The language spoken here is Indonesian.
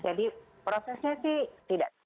jadi prosesnya sih tidak